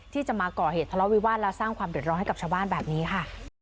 ที่จะมาก่อเหตุทะเลาะวิวาสและสร้างความเดือดร้อนให้กับชาวบ้านแบบนี้ค่ะ